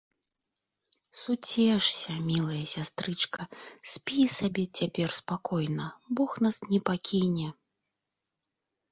- Суцешся, мілая сястрычка, спі сабе цяпер спакойна, Бог нас не пакіне